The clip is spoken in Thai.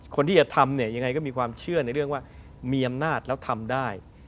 ก็มีความเชื่อในเรื่องว่ามีอำนาจแล้วทำได้